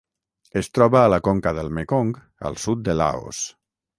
Es troba a la conca del Mekong al sud de Laos.